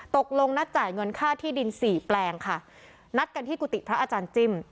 ตกลงนัดจ่ายเงินค่าที่ดินสี่แปลงค่ะนัดกันที่กุฏิพระอาจารย์จิ้ม